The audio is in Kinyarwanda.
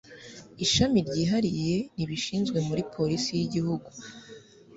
ishami ryihariye ribishinzwe muri polisi y'igihugu